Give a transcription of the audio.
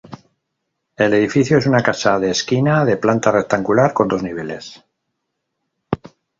El edificio es una casa de esquina de planta rectangular, con dos niveles.